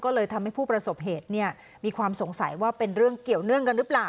ก็เลยทำให้ผู้ประสบเหตุมีความสงสัยว่าเป็นเรื่องเกี่ยวเนื่องกันหรือเปล่า